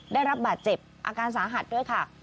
ได้รับบาดเจ็บอาการสาหัสด้วยค่ะ